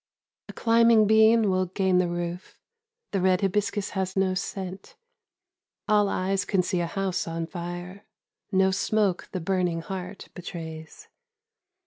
"A climbing bean will gain the roof; The red hibiscus has no scent. All eyes can see a house on fire; No smoke the burning heart betrays.